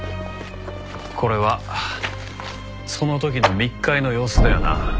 これはその時の密会の様子だよな？